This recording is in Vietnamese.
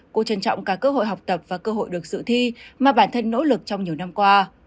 cô trân trọng cả cơ hội học tập và cơ hội được sự thi mà bản thân nỗ lực trong nhiều năm qua